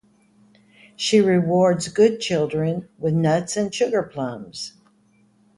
She rewards good children with nuts and sugar plums.